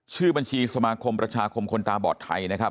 ชื่อบัญชีสมาคมประชาคมคนตาบอดไทยนะครับ